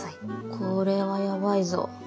これはやばいぞ。